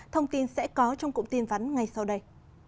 thông tin sẽ có trong cụm tin vắn ngay sau đây